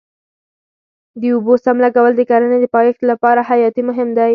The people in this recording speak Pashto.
د اوبو سم لګول د کرنې د پایښت لپاره حیاتي مهم دی.